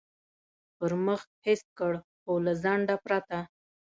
پر مخ حس کړ، خو له ځنډه پرته.